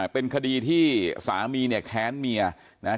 เป็นคดีที่สามีเนี่ยแค้นเมียนะครับ